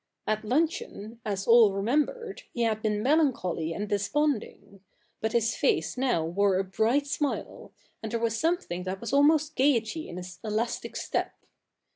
At luncheon, as all remembered, he had been melancholy and desponding : but his face now wore a bright smile, and there was something that was almost gaiety in his elastic step.